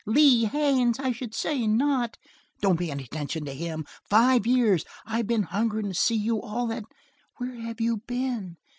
Lee Haines! I should say not. Don't pay any attention to him. Five years. And I've been hungerin' to see you all that . Where have you been?